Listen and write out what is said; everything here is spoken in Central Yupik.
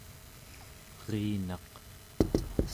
erinaq